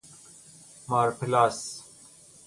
مارپلاس